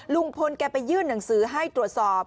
ลุงพลแกไปยื่นหนังสือให้ตรวจสอบ